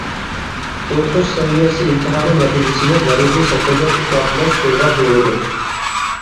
ئوقۇش سەۋىيەسى ئىمتىھانى نەتىجىسىنى دەرىجە شەكلىدە ئىپادىلەش يولغا قويۇلىدۇ.